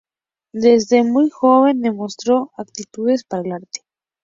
Desde muy joven demostró aptitudes para el arte.